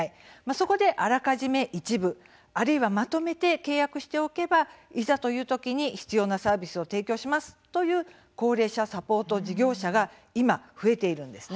そこで、あらかじめ、一部あるいはまとめて契約しておけばいざという時に必要なサービスを提供しますという高齢者サポート事業者が今、増えているんです。